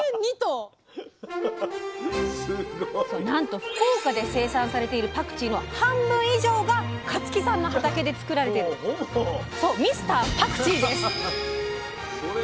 なんと福岡で生産されているパクチーの半分以上が香月さんの畑で作られているそうミスターパクチーです！